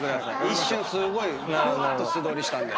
一瞬すごいふわっと素通りしたんで。